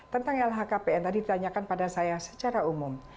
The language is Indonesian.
tentang lhkpn tadi ditanyakan pada saya secara umum